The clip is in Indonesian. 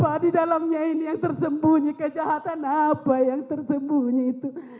tidak ada apa di dalamnya ini yang tersembunyi kejahatan apa yang tersembunyi itu